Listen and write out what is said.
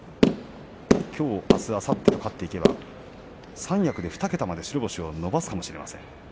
きょう、あす勝っていけば三役で白星を２桁まで星を伸ばすかかもしれません。